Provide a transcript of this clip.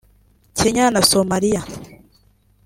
Kenya na Somalia